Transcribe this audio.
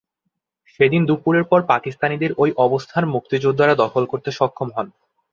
সেদিন দুপুরের পর পাকিস্তানিদের ওই অবস্থান মুক্তিযোদ্ধারা দখল করতে সক্ষম হন।